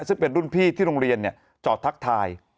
ซึ่งเป็นรุ่นพี่ที่โรงเรียนจอดทักทาย